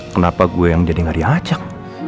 kenapa gue yang jadi ngari acak